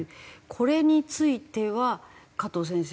これについては加藤先生。